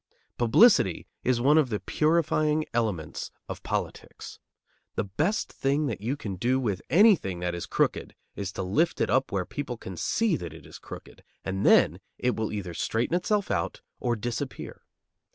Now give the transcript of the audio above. Publicity is one of the purifying elements of politics. The best thing that you can do with anything that is crooked is to lift it up where people can see that it is crooked, and then it will either straighten itself out or disappear.